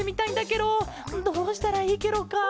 ケロどうしたらいいケロか？